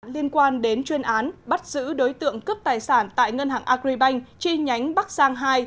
liên quan đến chuyên án bắt giữ đối tượng cướp tài sản tại ngân hàng agribank chi nhánh bắc giang hai